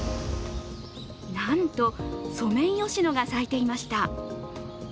なんと、ソメイヨシノが咲いていました。